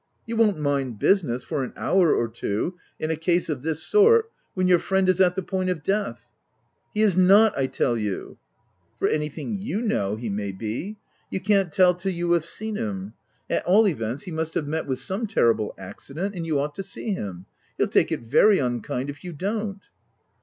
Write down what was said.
You won't mind business, for an hour or two, in a case of this sort — when your friend is at the point of death I" " He is not, I tell you !"" For anything you know, he may be : you can't tell till you have seen him. — At all events, he must have met with some terrible accident, and you ought to see him : he'll take it very unkind of you if you don't."